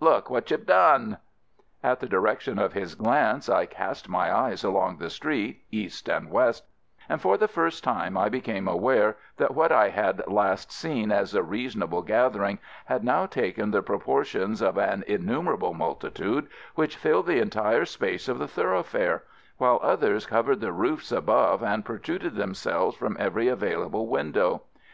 "Look what you've done." At the direction of his glance I cast my eyes along the street, east and west, and for the first time I became aware that what I had last seen as a reasonable gathering had now taken the proportions of an innumerable multitude which filled the entire space of the thoroughfare, while others covered the roofs above and protruded themselves from every available window.